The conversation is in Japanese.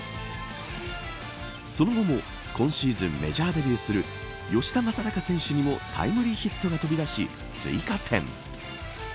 その後も今シーズンメジャーデビューする吉田正尚選手にもタイムリーヒットが飛び出し追加点。